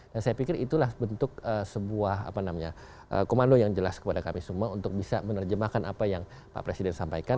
dan saya pikir itulah bentuk sebuah komando yang jelas kepada kami semua untuk bisa menerjemahkan apa yang pak presiden sampaikan